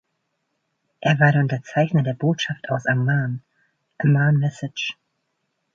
Er war einer der Unterzeichner der Botschaft aus Amman ("Amman Message").